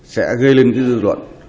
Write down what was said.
sẽ gây lên cái dư luận